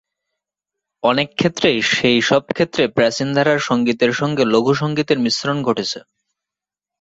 অনেক ক্ষেত্রেই সেই সব ক্ষেত্রে প্রাচীন ধারার সংগীতের সঙ্গে লঘু সংগীতের মিশ্রণ ঘটেছে।